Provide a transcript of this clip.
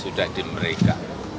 sudah di mereka